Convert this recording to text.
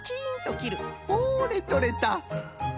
ほれとれた。